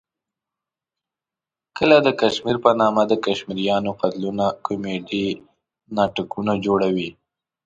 کله د کشمیر په نامه د کشمیریانو قتلونه کومیډي ناټکونه جوړوي.